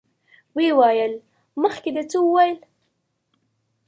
ويې ويل: مخکې دې څه ويل؟